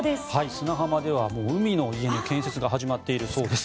砂浜では海の家の建設が始まっているそうです。